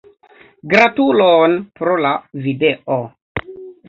Gratulon, pro la video.